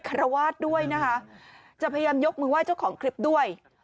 รวาสด้วยนะคะจะพยายามยกมือไห้เจ้าของคลิปด้วย